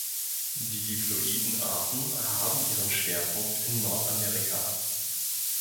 Die diploiden Arten haben ihren Schwerpunkt in Nordamerika.